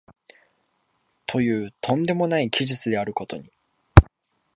という飛んでもない奇術であることに、